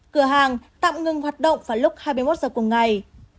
cửa hàng tạm ngừng hoạt động vào lúc hai mươi một giờ cùng ngày